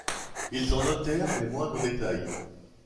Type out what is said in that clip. Ils en notèrent les moindres détails.